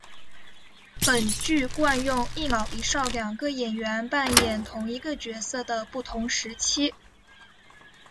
本剧惯用一老一少两个演员扮演同一个角色的不同时期。